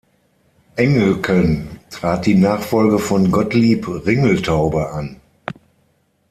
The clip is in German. Engelken trat die Nachfolge von Gottlieb Ringeltaube an.